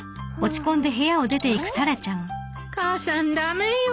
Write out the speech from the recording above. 母さん駄目よ。